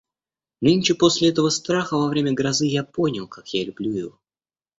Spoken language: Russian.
Нынче после этого страха во время грозы я понял, как я люблю его.